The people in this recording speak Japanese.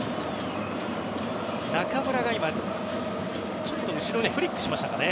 中村がちょっと後ろにフリックしましたか。